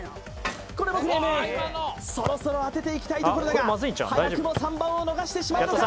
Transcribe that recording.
これもフレームそろそろ当てていきたいところだが早くも３番を逃してしまうのか？